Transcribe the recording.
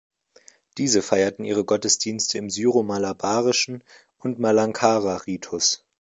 Diese feiert ihre Gottesdienste im syro-malabarischen und Malankara-Ritus.